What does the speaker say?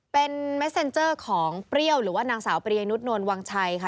เป็นเม็ดเซ็นเจอร์ของเปรี้ยวหรือว่านางสาวปริยนุษนวลวังชัยค่ะ